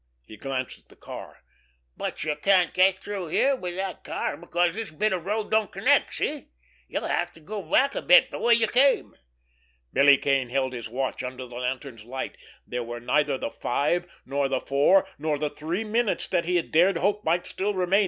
He glanced at the car. "But you can't get through here with that car because this bit of road don't connect—see? You'll have to go back a bit the way you came." Billy Kane held his watch under the lantern's light. There were neither the five, nor the four, nor the three minutes that he had dared hope might still remain.